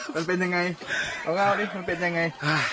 มันเป็นยังไงเอานี่มันเป็นยังไง